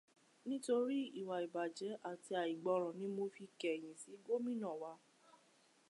Nítorí ìwà ìbàjẹ́ àti àìgbọràn ni mo fi kẹ̀yìn sí gómìnà wa